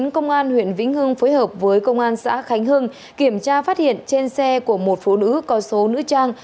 công an huyện vĩnh hưng phối hợp với công an xã khánh hưng kiểm tra phát hiện trên xe của một phụ nữ có số nữ trang